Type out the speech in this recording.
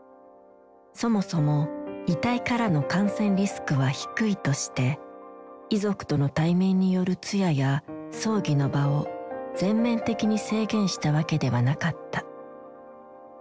そもそも「遺体からの感染リスクは低い」として遺族との対面による通夜や葬儀の場を全面的に制限したわけではなかった。